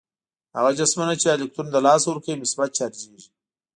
هغه جسمونه چې الکترون له لاسه ورکوي مثبت چارجیږي.